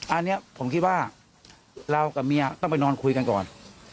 อันนี้ผมคิดว่าเรากับเมียต้องไปนอนคุยกันก่อน